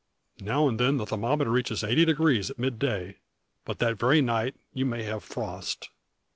Now and then the thermometer reaches eighty degrees at mid day; but, that very night, you may have frost.